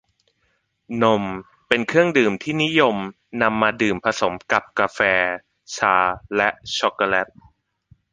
นม เป็นเครื่องดื่มที่นิยมนำมาดื่มผสมกับกาแฟ ชา และช็อคโกแล็ต